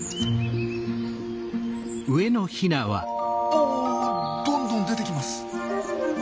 あどんどん出てきます。